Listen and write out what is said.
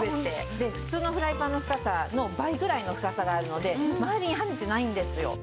で普通のフライパンの深さの倍ぐらいの深さがあるので周りに跳ねてないんですよ。